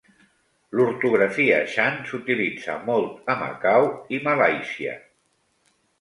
L'ortografia Chan s'utilitza molt a Macau i Malàisia.